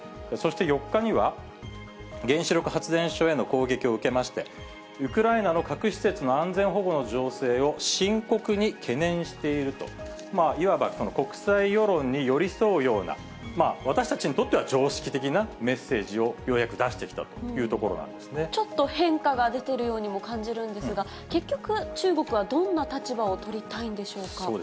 そして４日には、原子力発電所への攻撃を受けまして、ウクライナの核施設の安全保護の情勢を深刻に懸念していると、いわば国際世論に寄り添うような、私たちにとっては常識的なメッセージをようやく出してきたというちょっと変化が出ているようにも感じるんですが、結局、中国は、どんな立場を取りたいんでしょうか。